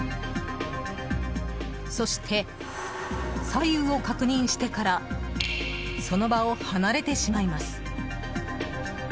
そして、左右を確認してからその場を離れてしまいます。